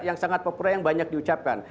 yang sangat populer yang banyak diucapkan